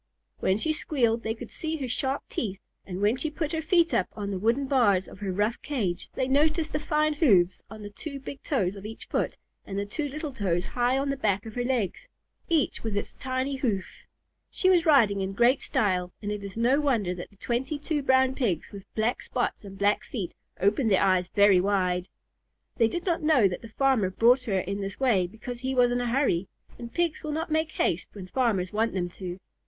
When she squealed they could see her sharp teeth, and when she put her feet up on the wooden bars of her rough cage, they noticed the fine hoofs on the two big toes of each foot and the two little toes high on the back of her legs, each with its tiny hoof. She was riding in great style, and it is no wonder that the twenty two Brown Pigs with black spots and black feet opened their eyes very wide. They did not know that the farmer brought her in this way because he was in a hurry, and Pigs will not make haste when farmers want them to.